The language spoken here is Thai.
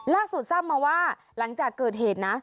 ล่าสูตรทราบมาว่าหลังจากเกิดเหตุนะ